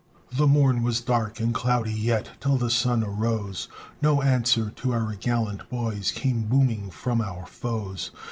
The morn was dark and cloudy Yet till the sun arose, No answer to our gallant boys Came booming from our foes.